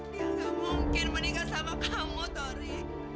dia gak mungkin meninggal sama kamu tore